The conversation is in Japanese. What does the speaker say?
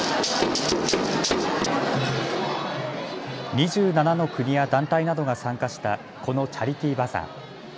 ２７の国や団体などが参加したこのチャリティーバザー。